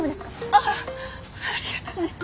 あっありがとうね。